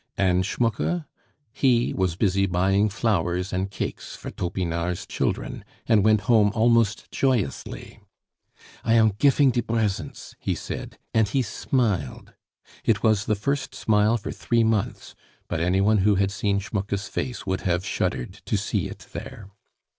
And Schmucke? He was busy buying flowers and cakes for Topinard's children, and went home almost joyously. "I am gifing die bresents..." he said, and he smiled. It was the first smile for three months, but any one who had seen Schmucke's face would have shuddered to see it there.